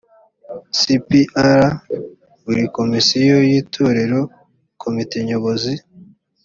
c p r buri komisiyo yitorera komite nyobozi